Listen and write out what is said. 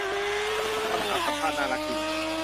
คำถามสัมภาษณ์น่ารักดี